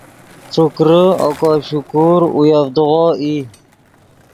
ݯوکرے اوگو شوکور اویڤدغو ای